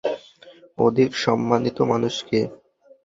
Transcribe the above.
অধিক সম্মানিত মানুষ কে?